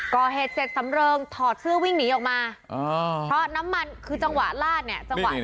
ก่อเหตุเสร็จสำเริงถอดเสื้อวิ่งหนีออกมาเพราะน้ำมันคือจังหวะลาดเนี่ยจังหวะ